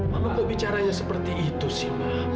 mama kok bicara seperti itu sih ma